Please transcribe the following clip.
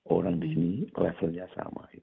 orang di sini levelnya sama